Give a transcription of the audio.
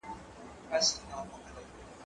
زه مېوې وچولي دي؟!